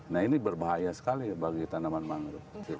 nah ini berbahaya sekali bagi tanaman mangrove